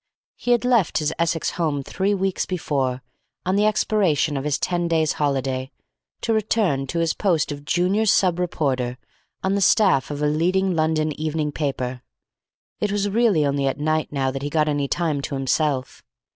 He had left his Essex home three weeks before, on the expiration of his ten days' holiday, to return to his post of junior sub reporter on the staff of a leading London evening paper. It was really only at night now that he got any time to himself.